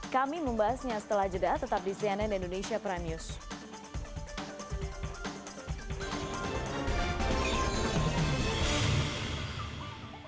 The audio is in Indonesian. kami membahasnya setelah jeda tetap di cnn indonesia prime news